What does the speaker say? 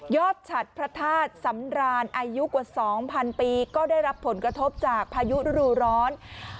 ฉัดพระธาตุสำราญอายุกว่า๒๐๐ปีก็ได้รับผลกระทบจากพายุฤดูร้อน